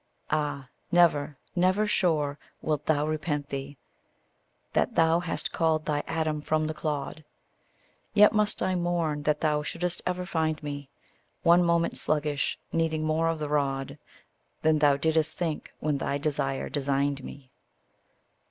Ah, never, never, sure, wilt thou repent thee, That thou hast called thy Adam from the clod! Yet must I mourn that thou shouldst ever find me One moment sluggish, needing more of the rod Than thou didst think when thy desire designed me.